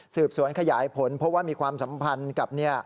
สืบสวนขยายผลเพราะว่ามีความสัมพันธ์กับ